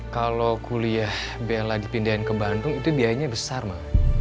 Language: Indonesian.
kalau kuliah bella dipindahin ke bandung itu biayanya besar mah